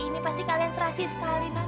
ini pasti kalian serasi sekali nak